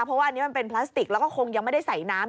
เพราะว่าอันนี้มันเป็นพลาสติกแล้วก็คงยังไม่ได้ใส่น้ำ